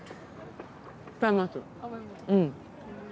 うん。